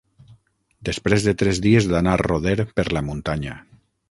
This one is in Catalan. Després de tres dies d'anar roder per la muntanya.